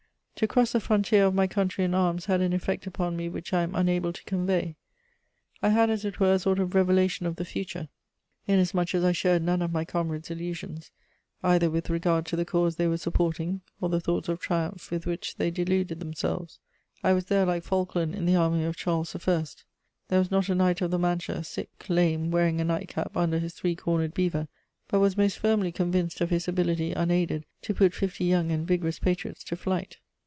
To cross the frontier of my country in arms had an effect upon me which I am unable to convey. I had, as it were, a sort of revelation of the future, inasmuch as I shared none of my comrades' illusions, either with regard to the cause they were supporting or the thoughts of triumph with which they deluded themselves: I was there like Falkland in the army of Charles I. There was not a Knight of the Mancha, sick, lame, wearing a night cap under his three cornered beaver, but was most firmly convinced of his ability, unaided, to put fifty young and vigorous patriots to flight.